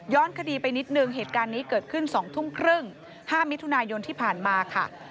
คดีไปนิดนึงเหตุการณ์นี้เกิดขึ้น๒ทุ่มครึ่ง๕มิถุนายนที่ผ่านมาค่ะ